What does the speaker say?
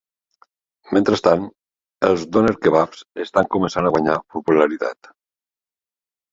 Mentrestant, els Doner kebabs estan començant a guanyar popularitat.